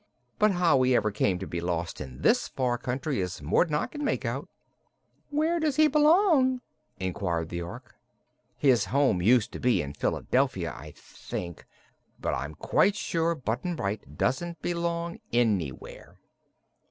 But how he ever came to be lost in this far away country is more'n I can make out." "Where does he belong?" inquired the Ork. "His home used to be in Philadelphia, I think; but I'm quite sure Button Bright doesn't belong anywhere."